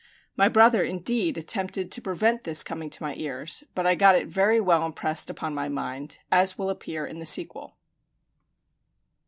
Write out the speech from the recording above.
My brother indeed attempted to prevent this coming to my ears; but I got it very well impressed upon my mind, as will appear in the sequel.